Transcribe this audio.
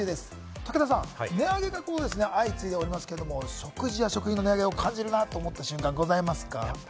武田さん、値上げが相次いでおりますけど、食事や食品の値上げを感じる瞬間はありますか？